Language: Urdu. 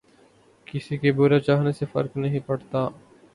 کســـی کے برا چاہنے سے فرق نہیں پڑتا